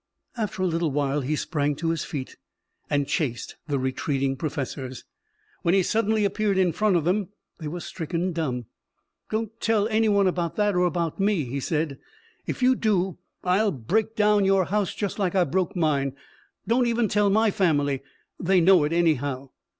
After a little while he sprang to his feet and chased the retreating professors. When he suddenly appeared in front of them, they were stricken dumb. "Don't tell any one about that or about me," he said. "If you do I'll break down your house just like I broke mine. Don't even tell my family. They know it, anyhow."